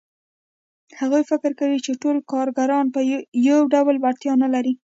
هغه فکر کوي چې ټول کارګران یو ډول وړتیاوې نه لري